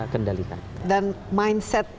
kendalikan dan mindset